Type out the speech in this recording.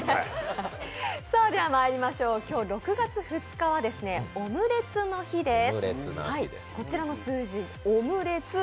今日６月２日はオムレツの日です。